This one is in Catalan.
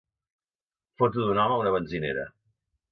Foto d'un home a una benzinera.